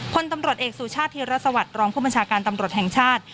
พลตำรวจเอกสุชาติธิรสวัสดิ์รองผู้บัญชาการตำรวจแห่งชาติ